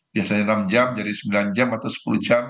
biasanya enam jam jadi sembilan jam atau sepuluh jam